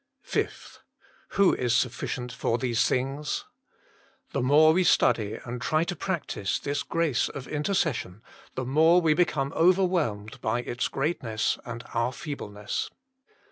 5. Who is sufficient for these things 1 The more we study and try to practise this grace of intercession, the more we become over whelmed by its greatness and our feebleness.